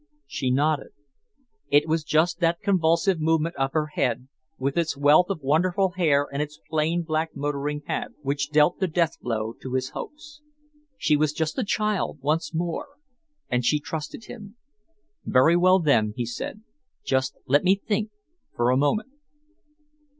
She nodded. It was just that convulsive movement of her head, with its wealth of wonderful hair and its plain black motoring hat, which dealt the death blow to his hopes. She was just a child once more and she trusted him. "Very well, then," he said, "just let me think for a moment."